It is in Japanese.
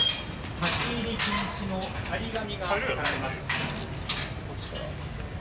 立ち入り禁止の貼り紙が貼られます。